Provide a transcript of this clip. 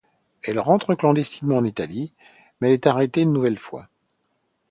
Elle rentre clandestinement en Italie, mais elle est arrêtée une nouvelle fois.